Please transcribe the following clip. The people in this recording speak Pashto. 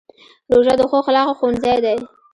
روژه د ښو اخلاقو ښوونځی دی.